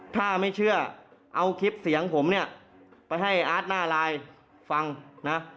ถ้าไม่เชื่อเอาคลิปเสียงผมเนี่ยไปให้อาร์ตหน้าไลน์ฟังนะ